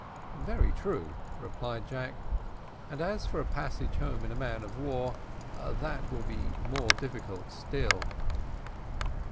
"Very true," replied Jack; "and as for a passage home in a man of war that will be more difficult still."